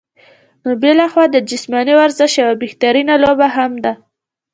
نو بلخوا د جسماني ورزش يوه بهترينه لوبه هم ده